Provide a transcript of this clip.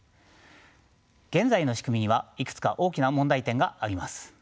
現在の仕組みにはいくつか大きな問題点があります。